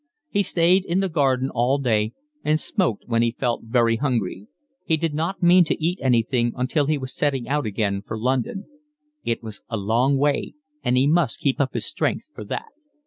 He stayed in the garden all day and smoked when he felt very hungry; he did not mean to eat anything until he was setting out again for London: it was a long way and he must keep up his strength for that.